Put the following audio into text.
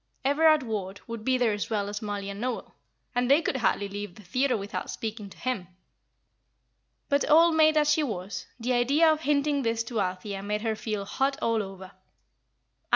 Everard Ward would be there as well as Mollie and Noel, and they could hardly leave the theatre without speaking to him. But, old maid as she was, the idea of hinting this to Althea made her feel hot all over.